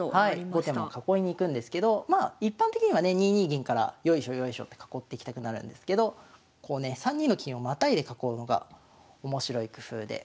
後手も囲いに行くんですけど一般的にはね２二銀からよいしょよいしょって囲っていきたくなるんですけど３二の金をまたいで囲うのが面白い工夫で。